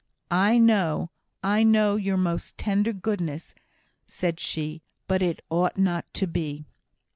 "I know I know your most tender goodness," said she, "but it ought not to be."